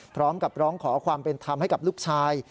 พร้อมกับร้องขอความเป็นธรรมให้กับลูกชาย